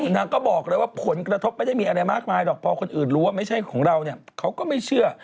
นางก็บอกเลยว่าผลกระทบไม่ได้มีอะไรมากมายหรอกพอคนอื่นรู้ว่าไม่ใช่ของเราเนี่ยเขาก็ไม่เชื่อ